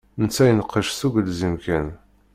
Netta ineqqec s ugelzim kan.